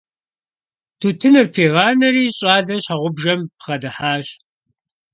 Тутыныр пигъанэри, щIалэр щхьэгъубжэм бгъэдыхьащ.